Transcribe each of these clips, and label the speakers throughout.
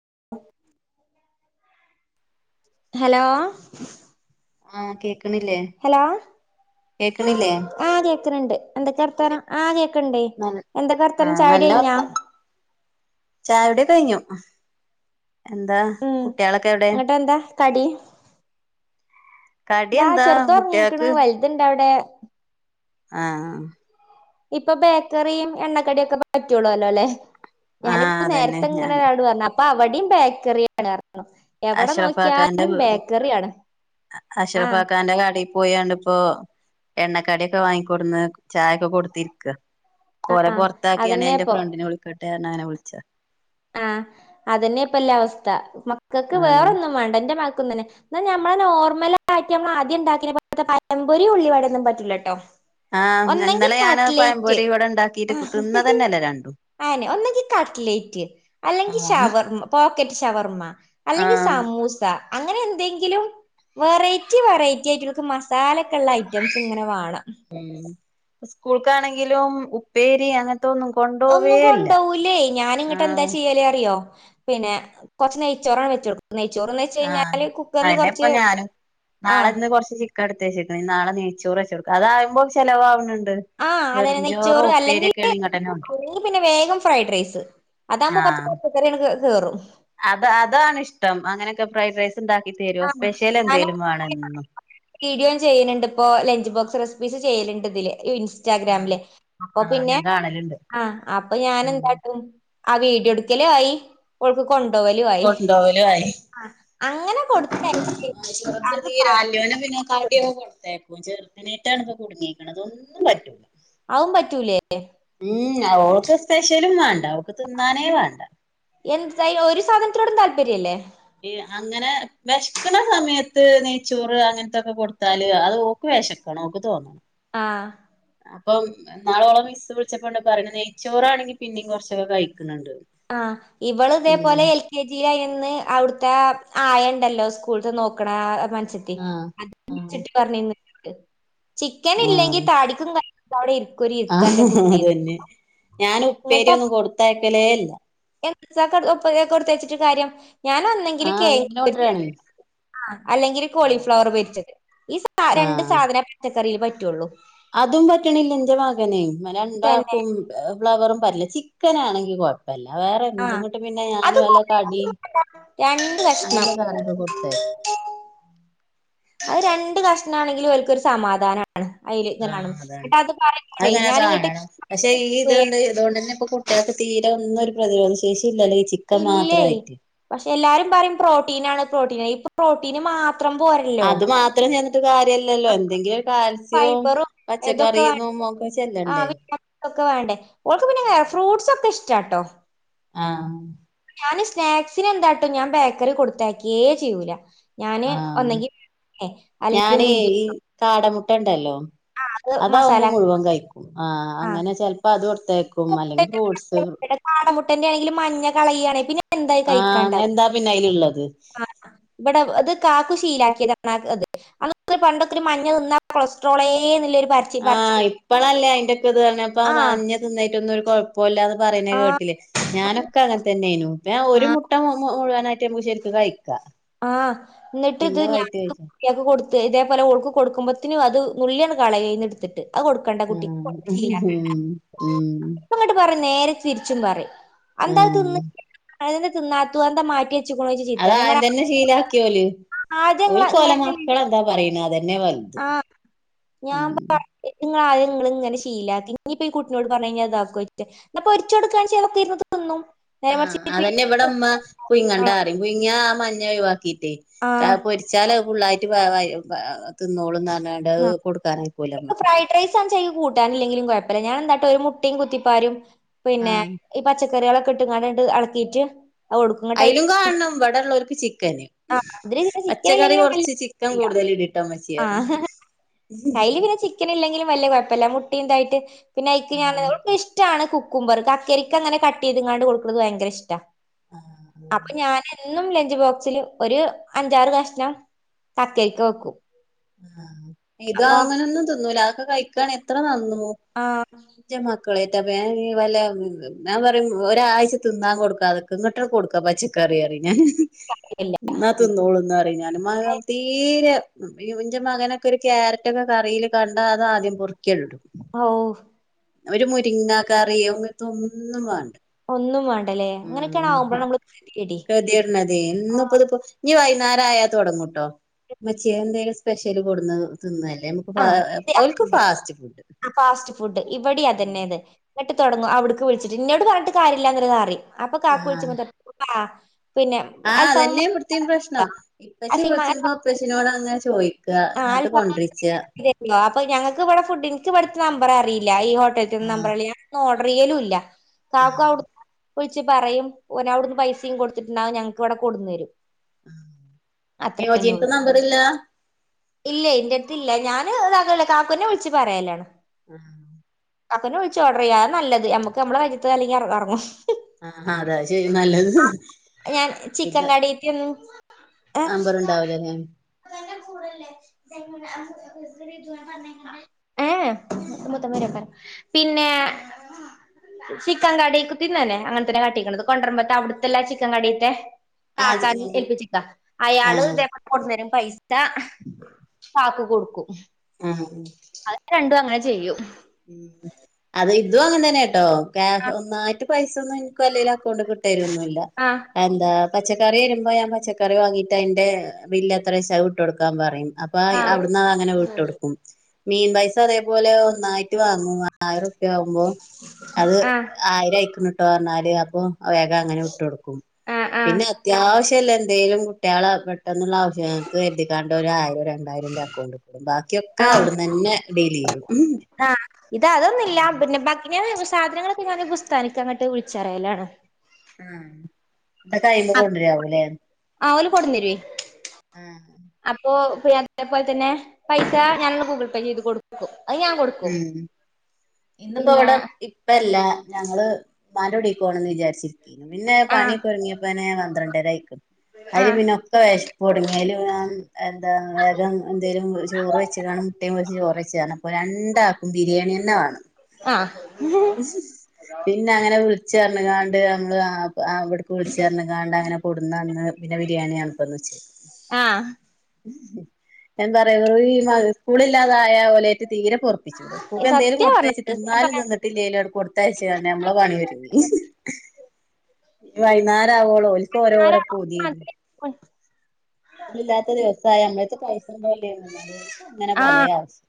Speaker 1: [unintelligible]
Speaker 2: Hello?
Speaker 1: ആഹ് കേക്കണില്ലേ? കേക്കണില്ലേ
Speaker 2: ആഹ് കേക്കണണ്ട് എന്തൊക്കെ വർത്താനം. ആ കേക്കണ്ട് എന്തൊക്കെ വർത്താനം. ചായ്ടി പിഞ്ഞാ
Speaker 1: ചായ്ടി കഴിഞ്ഞു. എന്താ
Speaker 2: ഉം
Speaker 1: കുട്ടികളൊക്കെ എവിടെ?
Speaker 2: ഇങ്ങട്ടെന്താ കടി
Speaker 1: കടി
Speaker 2: എന്താ ചെറുത് ഒറങ്ങിയേക്ക്ണ്
Speaker 1: കുട്ടികൾക്ക്
Speaker 2: വലുതു ഇണ്ടവിടെ
Speaker 1: ആഹ് ആ
Speaker 2: ഇപ്പൊ ബേക്കറിയും എണ്ണക്കടിയും ഒക്കെ പറ്റുള്ളുല്ലോ അല്ലേ.
Speaker 1: ആഹ്
Speaker 2: ഞാനിപ്പോ
Speaker 1: അതന്നെ ഞാന്
Speaker 2: നേരത്തെങ്ങനെരാട് പറഞ്ഞ് അപ്പൊ അവിടെയും ബേക്കറി ആണ് റഞ്ഞ. എവിടെ
Speaker 1: അഷ്റഫാക്കാന്റെ
Speaker 2: നോക്കിയാലും ബേക്കറി ആണ്. ആഹ്
Speaker 1: പോയണ്ട് ഇപ്പോ എണ്ണക്കടിക്കെ വാങ്ങിക്കൊടുന്ന് ചായൊക്കെ കൊടുത്തിരിക്കാ. പോനെ
Speaker 2: ആ
Speaker 1: പൊറത്താക്കിയാണെ അയിന്റെ
Speaker 2: അതന്നെപ്പൊ
Speaker 1: ഫ്രണ്ടിനെ വിളിക്കട്ടെ ആര അങ്ങനെ വിളിച്ച
Speaker 2: ആഹ് അതന്നെ ഇപ്പല്ല അവസ്ഥ മക്കൾക്ക്
Speaker 1: ആഹ്
Speaker 2: വേറൊന്നും വേണ്ട. എന്റെ മ ഞമ്മളെ നോർമലായിട്ട് ഞമ്മള് ആദ്യം ഉണ്ടാക്കിനത്തെ പഴമ്പൊരി ഉള്ളിവടെയൊന്നും പറ്റൂല കേട്ടോ.
Speaker 1: ആഹ് ഇന്നലെ ഞാന് പയംപൊരി വട ഉണ്ടാക്കിട്ട് തിന്ന തന്നെയല്ലേ രണ്ടും.
Speaker 2: ആനെ ഒന്നങ്കി കട്ട്ലേറ്റ് അല്ലെങ്കിൽ
Speaker 1: ആഹ്
Speaker 2: ഷവർമ പോക്കറ്റ് ഷവർമ്മ അല്ലെങ്കിൽ
Speaker 1: ആഹ്
Speaker 2: സമൂസ. അങ്ങനെ എന്തെങ്കിലും വെറൈറ്റി വെറൈറ്റി ആയിട്ട്ക്ക് മസാല ഐറ്റംസ് ഇങ്ങനെ വേണം
Speaker 1: സ്കൂൾക്കാണെങ്കിലും ഉപ്പേരി അങ്ങന
Speaker 2: ഒന്നും കൊണ്ടോല്ലേ ഞാാന ഇങ്ങട്ട് എന്താ
Speaker 1: ആഹ്
Speaker 2: ചെയ്യാലേ അറിയോ പിന്നെ കൊറച്ച് നെയ്ച്ചോറ് അങ്ങോട്ടവെച്ചുടുക്കും
Speaker 1: ആഹ അതന്നെഇപ്പ ഞാനും
Speaker 2: ആഹ്
Speaker 1: നാളെന്ന് കൊറച്ച്.. അടുത്തേച്ചേക്കണ നാളെെയ്ച്ചൂറ് വച്ച കൊടുക്ക അതായുമ്പോ ചിലവണണ്ട്
Speaker 2: ആഹ അതെ നെയച്ചോറ് അല്ലെങ്കിൽ
Speaker 1: ഇങ്ങട്ടെന്നെ കൊണ്ടരും
Speaker 2: അല്ലങ്ക പിന്നെ വേഗം ഫ്രൈഡ് റൈസ് അതാകുമ്പോൾ കുറച്ച്
Speaker 1: ആഹ്
Speaker 2: പച്ചക്കറിയണ്ട് കേറും.
Speaker 1: അത് അതാാണ് ഇഷ്ടം അങ്ങനെയൊക്കെ ഫ്രൈഡ് റൈസ് ഇണ്ടാക്കി തരോ
Speaker 2: ആ
Speaker 1: സ്പെഷ്യൽ
Speaker 2: ഞൻ
Speaker 1: എന്തേലും വേണം എന്നും
Speaker 2: വീഡിയോം ചെയ്യുന്നുണ്ട് ഇപ്പോൊ ലഞ്ച് ബോക്സ്. വിസ് ചെയ്യലുണ്ടതില്.
Speaker 1: ആഹ്
Speaker 2: ഇൻസ്റ്റാഗ്രാമില്െ അപ്പൊ
Speaker 1: ആഹ്
Speaker 2: പിന്നെ
Speaker 1: ഞാൻ കാണല്ണ്ട്
Speaker 2: ആ അപ്പൊ ഞാാന
Speaker 1: ഉം
Speaker 2: എന്താട്ടും ആ വീഡിയോ എടുക്കലുആയി ഓൾക്ക് കൊണ്ടോ കലുമായി.. അങ്ങനെ കൊടു.
Speaker 1: ആ ശ്രദ്ധ തീര അല്യോന പിന്നെ കാട്ടിയ
Speaker 2: കൊണ്ടരും
Speaker 1: കൊടുത്തേ ചെറുത്തിനേട്ടാണ് ഇപ്പൊ കുടുങ്ങിയേക്കുന്നത് അതൊന്നും പറ്റൂല.
Speaker 2: അവൻ പറ്റൂലേ.
Speaker 1: ഉ ഓക്ക് സ്പെഷ്യലും മാണം.
Speaker 2: എന്ത ഒരു സാധനത്തോടും താല്പര്യല്ലേ
Speaker 1: അങ്ങനെ വിശക്കണ സമയത്ത് നെയ്ച്ചോറ് അങ്ങനത്തൊക്കെ കൊടുത്താല് അത് നോക്ക.. വെശക്ണോൾ ക് തോന്നണം
Speaker 2: ആഹ
Speaker 1: അപ്പം നാളോളം മിസ് വിളിച്ചപ്പോണ്ട് പറു നെയ്ച്ചോറാണെങ്കി പിന്നും കുറച്ചൊക്കെ കഴിക്കും.
Speaker 2: ആഹ് ഇവള് ഇതേപോലെ എൽ കെ ജി ന്ന് അവിടുത്തെ ആയ ഉണ്ടല്ലോ സ്കൂൾ തെനോക്കണേ.
Speaker 1: ആഹ് ആഹ്
Speaker 2: മൻസത്തിചിക്കൻ ഇല്ലെങ്കിൽ താടിക്കും കൈ. തടിിൽ
Speaker 1: ആഹ അത് തന്നെ ഞാൻ ഉപ്പേരി ഒന്നും കൊടുത്തയക്കലേല്ല
Speaker 2: എന്ത് ത്താഉപ്പേരി ഒക്കെ കൊടുത്തയച്ചിട്ട് കാര്യം ഞാൻ ഒന്നെങ്കിലും
Speaker 1: ആഹ്
Speaker 2: കേങ്ങ്..
Speaker 1: അങ്ങട്ടന്നെ കൊണ്ടരാണ്
Speaker 2: ആ അല്ലെങ്കിൽ കോളിഫ്ലവർ പരിച്ചത് ഈ രണ്ട്
Speaker 1: ആഹ്
Speaker 2: സാധന പച്ചക്കറിൽ പറ്റുള്ളൂ.
Speaker 1: അതും പറ്റണില്ല ഇന്റ മകന്
Speaker 2: തന്നെ
Speaker 1: രണ്ടാക്കും ഫ്ലവറും പറ്റുന്നില്ല ചി... ക്കനാണെകിൽ കൊഴപ്പില്ല വേറെ
Speaker 2: ആഹ്
Speaker 1: എന്തുംങ്ങോട്ട് പിന്നെ ഞാൻ..
Speaker 2: അത്
Speaker 1: വല്ല കടി
Speaker 2: രണ്ട് കക്ഷണം
Speaker 1: അതിന്റെ കറിയൊക്കെ കൊടുത്തേക്കും
Speaker 2: അത് രണ്ട് കഷ്ണ ആണെങ്കിൽ അവൊരു കൊരു സമാധാനമാണ്.
Speaker 1: ആഹ അതാണ്
Speaker 2: പറയുമ്പോഴേ
Speaker 1: അത്ങ്ങന്നെ
Speaker 2: ഞാനിങ്ങട്ട്
Speaker 1: കാണണം പക്ഷെ ഈ ഇതൊണ്ട് ഇതുകൊണ്ട് തന്നെ ഇപ്പൊ.. അക്ക് തീരെ ഒന്നും ഒരു പ്രതിരോധം ശേഷി ഇല്ലല്ലോ ഈ ചിക്കൻ
Speaker 2: ഇല്ലേ
Speaker 1: മാത്രമായിട്ട്
Speaker 2: പക്ഷെ എല്ലാരും പറയും പ്രോട്ടീന ആാണ് പ്രോട്ടീൻ ഇപ്പോ പ്രോട്ടീന് മാത്രം പോരല്ലോ
Speaker 1: അത് മാത്രം ചെന്നിട്ട് കാര്യല്ലല്ലോ എന്തെങ്കിലും കാൽസ്യവും
Speaker 2: ഫൈബറും ഇതൊക്കെ വേ
Speaker 1: പച്ചക്കറിന്നും ഒക്കെ..
Speaker 2: ആ
Speaker 1: ചെല്ലണ്ടേ
Speaker 2: വിറ്റാമിൻസ് ഒക്കെ വേണ്ടേ ഒൾക് പിന്നെ ഫ്രൂ്സ് ഒക്കെ ഇഷ്ടാട്ടോ.
Speaker 1: ആഹ
Speaker 2: ഞാന് സ്നാക്സിന് എന്താട്ടും ഞാൻ ബേക്കറി കൊടുത്താക്കിയേ ചെയ്യൂല. ഞാന്
Speaker 1: ആഹ്
Speaker 2: ഒന്നെങ്കിഅല്ലെങ്കിൽ മുന്തി..
Speaker 1: ഇട്ടണ്ടല്ലോ അതാവുമ്പോൾ മുഴുവൻ കഴിക്കും ആ അങ്ങനെ ചെപ്പോ അത് കൊടുത്തേക്കും അല്ലെങ്കിൽ ഫ്രൂട്ട്സ്.
Speaker 2: മുട്ടന്റെ ആയാലും മഞ്ഞ കളയുകയാണ് പിന്നെ..
Speaker 1: ആഹ എന്താ പിന്നെ അതില ഉുള്ളത്
Speaker 2: ആ ഇവിടെ അത് കാക്ക ഷീല ആക്കിയത് [unintelligible] മഞ്ഞ നിന്ന കൊളസ്ട്രോ
Speaker 1: ആഹ് ഇപ്പഴല്ലേ അയിന്റെൊക്കെ ഇത് പ്പ
Speaker 2: ആഹ്
Speaker 1: മഞ്ഞ തിന്നിട്ടൊന്നും ഒരുഴപ്പ കുഴപ്പമില്ല എന്ന് പറയുന്നത്
Speaker 2: ആഹ്
Speaker 1: കേട്ടില്ലേ പറയുന്ന കേട്ടിലോ ഞാനൊക്കെ അങ്ങനെ തന്നൊയിരുനു ഒരു മുട്ട മുഴുവൻായി കുമ്പ [unintelligible] ശരിക്ക് കഴിക്കാം
Speaker 2: ആഹ എന്നിട്ട് ഇത്
Speaker 1: പിന്നെ വൈറ്റ് കഴിച്ചാ
Speaker 2: ഞൻിയ കൊടുത്ത ത് ഇതേപോലെ ഒൾക്ക് കൊടുക്കുമ്പഴത്തിനും അത് നുളളീ കള യുംഅതിന് എടുത്തിട്ട്. അതു കൊടുക്കണ്ട
Speaker 1: ആ
Speaker 2: കുട്ടിക്ക് കൊടുത്തു ശീലമാക്കണ്ട.
Speaker 1: ഉം ഉം
Speaker 2: ഇപ്പൊ അങ്ങോട്ട് പറ നേരെ തിരിച്ചും പറയും അ
Speaker 1: ആ
Speaker 2: എന്താ തിന്നാത്തുന്താ മാറ്റിയ വെ [unintelligible]
Speaker 1: ഷീല ആക്കി ഒല് അവർക്ക് അവരെ മക്കൾ എന്താ പറയുന്നത് അതേപോലെ
Speaker 2: ആഹ് [unintelligible] ഞാൻ നിങ്ങള നിങ്ങ ഇങ്ങനെ ശീലാക്കി ഇനിപ്പോ ഈ കുട്ടിനോട് പറ കഴിഞ്ഞാ അതാക്കോ എന്നപ്പൊ പോരിച്ച കൊടു കാച അതൊക്കെ ഇരുന്നു തിന്നും നേരെ മറിച്ച്
Speaker 1: ആഹ്
Speaker 2: ഇപ്പൊ ഈ-
Speaker 1: അതന്നെ ഇവിടെ ഇമ്മ
Speaker 2: ആ
Speaker 1: പുഴുങ്ങണ്ടാ എന്ന് പറയും. പുഴുങ്ങിയ ആ മഞ്ഞ ഒഴിവാക്കി.
Speaker 2: ആ
Speaker 1: അത് പൊരിച്ചാലും ഫുൾ ആയിട്ട് വ്യാവ് ആയിട്ട് തിന്നോളും
Speaker 2: ആ ഇപ ഫ്രൈഡ് റൈസ് ആച കൂട്ടാനിലകിലും കുഴപ്പ ഞൻ എന്താട്ട ഒരു മുട്ടും കുത്തിപ്പാരും പിന്നെ
Speaker 1: ആഹ്
Speaker 2: ഈ പച്ച കറികളൊക്കെ ഇട്ടുംങ്ങണ്ട് ഇളക്കിട്ട്
Speaker 1: അയലും കാണണം ഇവിടെ ഉള്ളവർക്ക് ചിക്കന്
Speaker 2: ആ അതില് പിന്നെ ചിക്കൻ
Speaker 1: പച്ചക്കറി
Speaker 2: ഇല്ലെങ്കിലും വലിയ
Speaker 1: കുറച്ച് ചിക്കൻ
Speaker 2: കുഴപ്പമില്ല
Speaker 1: കൊടു [unintelligible] ഇമമചി
Speaker 2: കയ്യില് പിന്നെ ചിക്കൻ ഇല്ലെങ്കിലും വല്ല കുഴപ്പമില്ല മുട്ടി ഇതായിട്ട് പിന്നെ അക്ക് ഞ
Speaker 1: ആഹ്
Speaker 2: ഇഷ്ടമാണ് കുക്ക്പർ കക്കരിക്ക അങ്ങനെ കട്ട ചെയ്ത് ഇങ്ങാണ്ട് കൊടുക്കുന്നത് ഭയങ്ക ഇഷ്ട
Speaker 1: ആഹ്് [unintelligible]
Speaker 2: ഇും ലഞ്ച് ബോക്സില് ഒരു അഞ്ചാറ് കഷണം കക്കെരിക്ക വെക്കും
Speaker 1: ആ ഇത്
Speaker 2: അപ്പൊ
Speaker 1: അങ്ങനൊന്നും തിന്നുല അതൊക്കെ കഴിക്കാണകിൽ എത്ര നന്നു
Speaker 2: ആഹ്
Speaker 1: [unintelligible] ളറ്റ വല്ല ഞാൻ പറയും ഒരാഴ്ച തിന്താൻ കൊടുക [unintelligible] ഇങ്ങട്ട കൊടുക്ക ക്കെ പച്ചക്കറി അറി ഞാൻ
Speaker 2: ഇല്ല
Speaker 1: എന്നാ [unintelligible] ുന്നോളന്ന്റി ഞാൻ [unintelligible] മകം തീരെ ഞ്ച മകനൊക്കെ ഒരു ക്യാരറ്റ്ൊക്കെ കറിൽ കണ്ടാ അത ആദ്യം പറിക്കേള്ളൂ
Speaker 2: ഓ
Speaker 1: അവര് മുരിങ്ങ കറിയും അതോനൊന്നും വേണ്ട
Speaker 2: ഒന്നും വേണ്ടല്ലേ അങ്ങനെയൊക്കെയാണ്
Speaker 1: ഉ
Speaker 2: ആവുമ്പോഴാണ് നമ്മള് ഗതികേട്
Speaker 1: കതിറിഞ്ഞത ഇപ്പതിപ്പോ [unintelligible] ഇനി വൈകുന്നേരം തുടങ്ങും ടോ ഇമ്മച്ചിയെ എന്തെങ്കിലും സ്പെഷ്യല് കൊടു തിന്നല്ലേ നമുക്ക്
Speaker 2: ആ
Speaker 1: ഓൽക്ക് ഫാസ്റ്റ് ഫുഡ്
Speaker 2: ഫാസ്റ്റ് ഫുഡ് ഇവടിം അതന്നെണ് എന്നിട്ട് അവിടത്തെ വിളിച്ചിട്ട് പറയും [unintelligible] കാക്കു
Speaker 1: ആഹ്
Speaker 2: വിളിക്കുമ്പോ പറയും പ
Speaker 1: ആഹ് അതെന്നെ ഇവത്തികോം പ്രശ്നം ഇപ്പച്ചി പളിച്ച്പൊ അപ്പച്ചിനോട് അങ്ങനെ ചോയി [unintelligible]
Speaker 2: ആഹ്
Speaker 1: എന്നിട്ട്
Speaker 2: അൽഫാമ്
Speaker 1: കൊണ്ടിച്ച
Speaker 2: തരോ അപ്പൊ ഞങ്ങക്ക് ഇവിടെ ഫുഡിനനിിക്ക ഇവിടുത്തെ നമ്പർറിയില്ല ഈ ഹോട്ടലൽന്ന്
Speaker 1: ആഹ്
Speaker 2: നമ്പർല്ല ഞാന ഒന്ന് ഓർഡർ ചെയ്യലും ഇല്ല കാക്ക
Speaker 1: ആഹ്
Speaker 2: അവിടു വിളിച്ച് പറയും ഓ അവിടുന്ന് പൈസയും കൊടുത്തിട്ടുണ്ടാവും ഞങ്ങക്ക് ഇവിടെ കൊടുന്ന് തരും
Speaker 1: യോജീത്ത് നമ്പറില്ല
Speaker 2: ഇല്ലേ എന്റെ അടുത്തില്ല [unintelligible] കാക്കുനെ വിളിച്ച് പറയലാണ്
Speaker 1: ആഹ [unintelligible]
Speaker 2: കാക്കുന്നെ വിൾച്ച് ഓഡർ ചെയ്യാ അതാ നല്ലത് ഞമ്മക്ക് ഞമ്മളെ കജ്ജ്ത്തെ അല്ലെങ്കി അറ അറങ്ങും
Speaker 1: ആ അ അതായി
Speaker 2: ഞാൻ ചിക്കൻ
Speaker 1: ഇത്
Speaker 2: കടിക്ക് ചെന്ന്
Speaker 1: നമ്പർ ഉണ്ടാവൂലേ
Speaker 2: ഏ മത്തംരക്ക പിന്നെ ചിക്കൻ കടി [unintelligible] തന്നെ അങ്ങൻ തെന്നെ കട്ടിക്ക്ണത് കൊണ്ടര്മ്പ ട്ട് അവുട്ടുത്തെ ഇല്ലെ ആ ചിക്കൻ കടിത്തെ
Speaker 1: ആഹ്
Speaker 2: കാക്കാനെ ഏൽപ്പിച്ചെക്കാ അയാൾ ഇതേ പോലെ കൊട്ന്നെരും പൈസ സ കാക്കു കൊട്ക്കും
Speaker 1: ആഹ്
Speaker 2: അയ് രണ്ടും അങ്ങനെ ചെയ്യും
Speaker 1: അത് ഇതും അങ്ങൻ തന്നെട്ടോ ഒന്നായിട്ട് പൈസ ഒന്നും ഇൻ ക്ക് അല്ലെലും അക്കൗണ്ട്ക്ക് ഇട്ടെരൊന്നും ഇല്ല
Speaker 2: ആഹ്
Speaker 1: എന്താ പച്ചക്കറി വെരുമ്പോ ഞാൻ പച്ചക്കറി വാങ്ങിട്ട് അയിന്റെ ബില്ല് എത്രെച്ചാ അയ് വിട്ട് കൊട്ക്കാൻ പറിം അപ്പ അയി
Speaker 2: ആഹ്
Speaker 1: അവ്ട്ന്ന് അയ് അങ്ങനെ വിട്ടൊട്ക്കും മീൻ പൈസ അതേപോലെ ഒന്നായി മൂവയിരം റുപ്യ ആവുമ്പോ അയ്
Speaker 2: ആഹ്
Speaker 1: ആയിരം അയ്ക്ക്ൺട്ടോ പർണാൽ അപ്പൊ വേഗം അങ്ങനെ വുട്ട് കൊട്ക്കും
Speaker 2: ആഹ് ആഹ്
Speaker 1: പിന്നെ അത്യാവശ്യം ഇല്ലെ എന്തെലും കുട്ടിയാളെ പ പെട്ടെന്നുള്ള ആവശ്യംങ്ങക്ക് കെര്തിക്കാണ്ട് ഒരായി രണ്ടായിരം ഇന്റെ അക്കൗണ്ട് ഇടും ബാക്കിയൊക്കെ
Speaker 2: ആഹ്
Speaker 1: അവുട്ന്നെന്നെ ഡീൽ ചെയ്യും
Speaker 2: ആഹ് ഇത് അതൊന്നുയില്ല പിന്നെ ബാക്കിനാ സാധനങ്ങളൊക്കെ ഞാൻ ബുസ്താനിക്ക് അങ്ങട്ട് വുൾച്ചറെയെലാണ്
Speaker 1: ആ അയ് കയ്യുമ്പോ കൊണ്ടരാവൂലെ
Speaker 2: കൊട്ന്നെരുയ്
Speaker 1: ആ
Speaker 2: [unintelligible] അതേപോലെ തന്നെ പൈസ ഞാൻ അങ്ങ് ഗൂഗിൾ പേ ചെയ്ത് കൊട്ക്കും
Speaker 1: ഉം ഇന്ന്പ്പം
Speaker 2: പിന്നെ
Speaker 1: ഇവടെ ഇപ്പ ഇല്ല ഞങ്ങൾ ഇമ്മാന്റെ കുടീക്ക് പോണംന്ന്‌ വിചാരിച്ചിനി ഇന്ന് പിന്നെ
Speaker 2: ആഹ്
Speaker 1: പണിയൊക്കെ ഒര്ങ്ങെപ്പെന്നെ പന്ത്രണ്ടെര ആയിക്ക്ൺ അയിൽ
Speaker 2: ആഹ്
Speaker 1: പിന്നെ ഒക്കെ വെശപ്പെട്ങ്ങി അയിൽപ്പ ഞാൻ എന്താ വേഗം എന്തെലും ചോറ് വെച്ച് കാണു മുട്ടിം പൊരിച്ച് ചോറെയ്ച്ച് പർൺ അപ്പ രണ്ടാക്കും ബിരിയാണിയെന്നെ വാണം
Speaker 2: ആഹ്
Speaker 1: പിന്നെ അങ്ങനെ വിൾച്ച് പർഞ്ഞ് കാ ണ്ട് നമ്മൾ ആ അവ് അവ്ട്ക്ക് വിൾച്ച് പർൺ കാണ്ട് കണ്ട അങ്ങനെ കൊട്ന്ന് അങ്ങ് പിന്നെ ബിരിയാണിയാണ് ഇപ്പന്ന് വെച്ചെ
Speaker 2: ആഹ്
Speaker 1: എന്ത പറയാ [unintelligible] ഈ സ്കൂൾ ഇല്ലാതായാ ഒലെ ആയിറ്റ് തീരെ പൊർപ്പിച്ചൂലാ സ്കൂക്ക് എന്തെലും
Speaker 2: സത്യ
Speaker 1: കൊട്ത്തേച്ച്
Speaker 2: പറഞ്ഞത്
Speaker 1: തിന്നാലും തിന്ന് ഇല്ലെലും കൊട്ത്ത് അഴ്ച്ച് കാണ്ട് നമ്മളെ പണി ഒര്ങ്ങി ഇഞ് വൈന്നാരം ആവോളം ഓൽ ഓൽക്ക് ഓരോര പൂതിയെന്നു സ്കൂൾ ഇല്ലാത്ത ദിവ് സായ നമ്മളെ എട്ത്ത് പൈസ ഒന്നും ഇല്ലെന്നു ഇന്നാലും ഓർക്ക് ഇങ്ങനെ പലെ
Speaker 2: ആഹ്
Speaker 1: ആവ്ശ്യം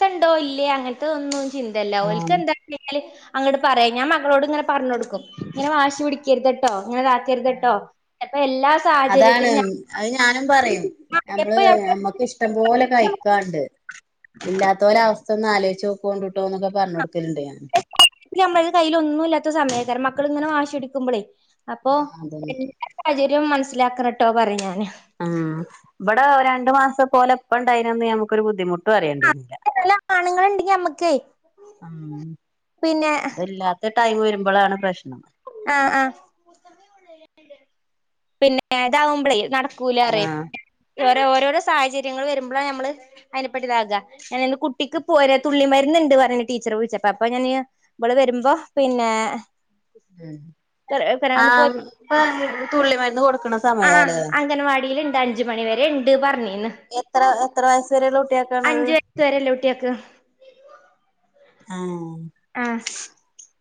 Speaker 2: സ ഇണ്ടോ ഇല്ലേ അങ്ങൻത്ത ഇതൊന്നും ചിന്ത ഇല്ല ഓൽക്ക്
Speaker 1: ആഹ്
Speaker 2: എന്താ [unintelligible] ഞ്ഞാൽ അങ്ങട്ട് പറയാ ഞാൻ മകളോട് ഇങ്ങനെ പർഞ്ഞൊട്ക്കും ഇങ്ങനെ വാശി പിടിക്കെര്ത്ട്ടോ ഇങ്ങനെതാക്കെര്ത് ട്ടോ ചെൽപ്പ എല്ലാ
Speaker 1: അതാണ്
Speaker 2: സാഹചര്യത്തിലും ഞ
Speaker 1: അത് ഞാനും പറയും ഞമ്മൾ ഞമ്മക്ക് ഇഷ്ടം പോലെ കഴിക്കാണ്ട് ഇല്ലാത്തോലെ അവസ്ഥ ഒന്ന് ആലോയിച്ച് നോക്കോണ്ടുട്ടോ ഇന്നൊക്കെ പർഞ്ഞൊട്‌
Speaker 2: ഞമ്മളെ കയ്യ്ൽ ഒന്നും ഇല്ലാത്ത സമയെക്കാരം മക്കൾ ഇങ്ങനെ വാശി പിടിക്കുമ്പളെ അപ്പോ
Speaker 1: ആഹ് അതന്നെ
Speaker 2: എല്ലാ സാഹചര്യവും മനസ്സിലാക്കണട്ടോ പറിം ഞാൻ
Speaker 1: ആ ഇവടെ രണ്ടു മാസം ഇപ്പ ഒലെ ഇപ്പ ഇണ്ടായിന അന്ന് ഞമ്മക്ക് ഒരു ബുദ്ധിമുട്ടും അറിയെണ്ടെന്നു
Speaker 2: പെരിലെ ആൺങ്ങൾ ഇണ്ടെങ്കി ഞമ്മക്കെ പിന്നെ
Speaker 1: ടൈമ് വെരുമ്പളാണ് പ്രശ്നം
Speaker 2: ആ ആ പിന്നെ ഇതാവുമ്പളെ നട് കൂലാ റെയ്
Speaker 1: ആഹ്
Speaker 2: ഓരോ ഓരോര സാഹചര്യങ്ങൾ വെരുമ്പളാണ് ഞമ്മൾ അയിനെ പറ്റി ഇതാക എന്തെന്നു കുട്ടിക്ക്പ്പോ ഒര് തുള്ളി മര്ന്ന് ണ്ട് പറഞ്ഞഞ് ടീച്ചർ വിളിച്ചപ്പ അപ്പൊ ഞാന് ഇള് വരുമ്പോ പിന്നെ
Speaker 1: ഉം ആ
Speaker 2: ഒന്ന് പോയി
Speaker 1: തുള്ളി മരുന്ന് കൊടുക്കണ സമയല്ലേ
Speaker 2: അഞ്ച മണിവ വരെ ഉണ്ട് പറഞ്ഞു
Speaker 1: എത്ര എത്ര വയസ് വരെയുള്ള കുട്ടിയക്കാനാഥ്
Speaker 2: അഞ്ച് വയസ് വരെല്ലേ കുട്ട്യാക്ക്
Speaker 1: ആ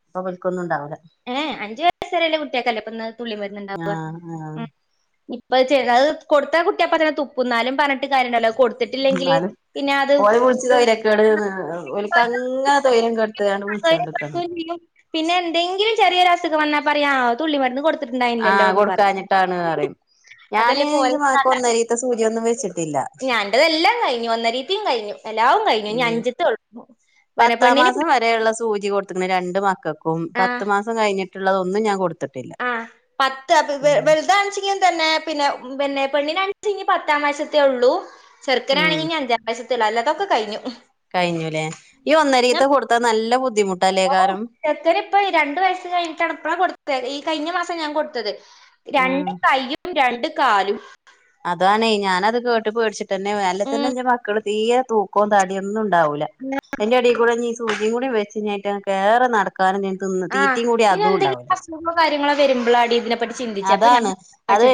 Speaker 1: അപ്പൊ ബൽക്കൊന്നുംണ്ടാവ
Speaker 2: ഏ അഞ്ചു വയസ് വരെല്ലേ കുട്ടിയക്കല്ലേ ഇപ്പൊന്ന് തുള്ളിം മരുന്നുണ്ടാവുവ
Speaker 1: ആഹ് ആഹ്
Speaker 2: അത് കൊടുത്ത കുട്ടിയാപ്പെ തുപ്പുന്നാലും പറഞ്ഞട്ട്
Speaker 1: എന്നാലും ഓല കുളിച്ചു തരം കേട്
Speaker 2: അത്
Speaker 1: ഒക്ക്ങ്ങനെ തൊരം കേ
Speaker 2: പിന്നെ എന്തെങ്കിലും ചെറിയൊ അസുഖ വന്നാ പറയാ തുള്ളി മരുന്ന് കൊടുത്ത ണ്ടായില്ലല്ലോ
Speaker 1: ആഹ്
Speaker 2: എന്ന് പറയും
Speaker 1: കൊടുക്കാഞ്ഞിട്ടാണ് പറയും ഞാന്
Speaker 2: അതല്ലേ പോല
Speaker 1: എന്റെ മകൾക്ക് ഒന്നരീത്തെ സൂചിയൊന്നും വെച്ചിട്ടില്ല
Speaker 2: ഞാന്റെതെല്ലാം കഴിഞ്ഞു ഒന്ന രീതിയും കഴിഞ്ഞു എലാവും കഴിഞ്ഞു ഇനി
Speaker 1: ഉം
Speaker 2: അഞ്ചിത്ത് കൊള്ളു
Speaker 1: പത്താം മാസം വരെയുള്ള സൂചി കൊടുത്തുന്നു രണ്ട് മക്കൾക്കും
Speaker 2: ആ
Speaker 1: പത്ത് മാസം കഴിഞ്ഞിട്ട് ഉള്ളതൊന്ന ഞാൻ. കൊടു
Speaker 2: ആ പത്ത് വലുത കാണിച്ചെങ്കിലും തന്നെ പിന്നെ പിന്നെ പെണ്ണിനാ ഇനി പത്താം വയസത്തേ ഉള്ളു ചെർ
Speaker 1: ഉം
Speaker 2: ക്കനാണെങ്കിൽ ഇനി അഞ്ചാം വയസത്ത ഉള്ളൂ അല്ലാത്തൊക്കെ കഴിഞ്ഞു
Speaker 1: കഴിഞ്ഞുല്ലേ ഈ
Speaker 2: ഞാൻ
Speaker 1: ഒന്നരീത്തെ കൊടുത്താ നല്ല ബുദ്ധിമുട്ടല്ലേക്കാരം
Speaker 2: എത്തരി ഇപ്പ രണ്ട് വയസ്സ് കഴിഞ്ഞട്ടാണ്ണപ്പ കൊടു ഈ കഴിഞ്ഞ മാസം ഞാൻ കൊടുത്തത്
Speaker 1: ഉം
Speaker 2: രണ്ട് കൈയും രണ്ട് കാലും
Speaker 1: അതാണേ ഞാനത് കേട്ട് പേടിച്ചിട്ട തന്നെ വല്ലെ തന്നെ
Speaker 2: ഉം
Speaker 1: എ മക്കള് തീരെ തൂക്കം ത ഒന്നും ഉണ്ടാവൂല്ല എന്റെ അടെ കൂടെഈ സൂച കൂടി വെച്ചട്ട നട തിന്ന തീറ്റയും കൂടി അതും ഉണ്ടാവില്ല
Speaker 2: വരുമ്പോളാടി ഇ
Speaker 1: അതാണ് അത്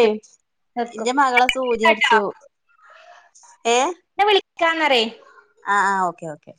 Speaker 2: നിക്കും
Speaker 1: എന്റെ മകളെ സൂചയ
Speaker 2: ട്ടോ
Speaker 1: അടിച്ചു എഏ
Speaker 2: കാന്നറിയി
Speaker 1: ആഹ ആഹ് ഓക്കെ ഓക്കെ